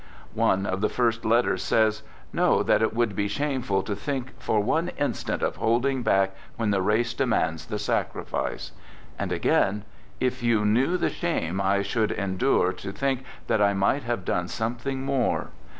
One of the first letters says: "Know that it would be shameful to think for one instant of hold ing back when the race demands the sacrifice." And again: " If you knew the shame I should endure to think that I might have done something more."